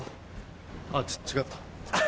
あっ違った。